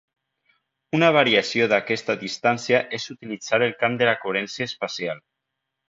Una variació d’aquesta distància és utilitzar el camp de la coherència espacial.